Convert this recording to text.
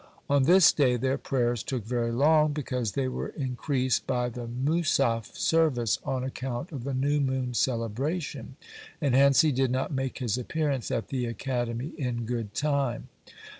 On this day their prayers took very long, because they were increased by the Musaf service on account of the New Moon celebration, and hence he did not make his appearance at the academy in good time.